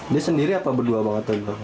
dia sendiri apa berdua banget